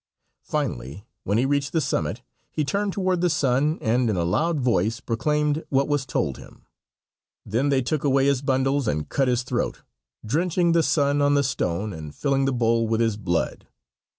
Finally, when he reached the summit, he turned toward the sun and in a loud voice proclaimed what was told him. Then they took away his bundles and cut his throat, drenching the sun on the stone and filling the bowl with his blood.